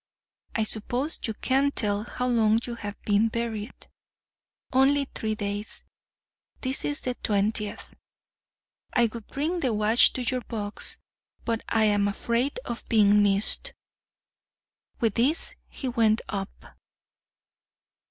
I suppose you can't tell how long you have been buried—only three days—this is the twentieth. I would bring the watch to your box, but am afraid of being missed." With this he went up.